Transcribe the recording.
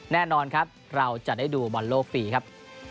แน่นอนครับเราจะได้ดูบอลโลกปีครับ